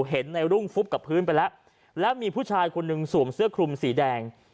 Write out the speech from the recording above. เห็นในรุ่งฟุบกับพื้นไปแล้วแล้วมีผู้ชายคนหนึ่งสวมเสื้อคลุมสีแดง